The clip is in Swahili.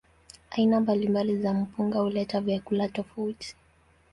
Aina mbalimbali za mpunga huleta vyakula tofauti.